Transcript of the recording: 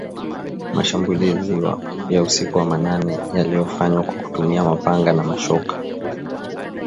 mashambulizi ya usiku wa manane yaliyofanywa kwa kutumia mapanga na mashoka